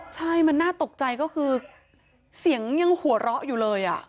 ใช่มันน่าตกใจก็คือเสียงยังหัวเราะอยู่เลย